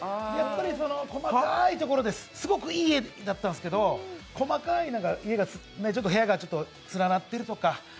細かいところです、すごくいい家だったんですけど細かい、部屋がちょっと連なってるとか。